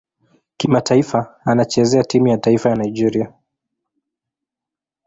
Kimataifa anachezea timu ya taifa Nigeria.